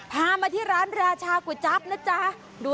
พามาที่ร้านราชาก๋วยจั๊บนะจ๊ะ